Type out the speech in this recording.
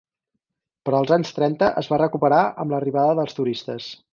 Però als anys setanta es va recuperar amb l'arribada dels turistes.